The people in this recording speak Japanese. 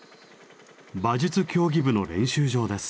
馬術競技部の練習場です。